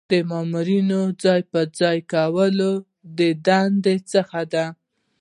د مامورینو ځای پر ځای کول د دندو څخه دي.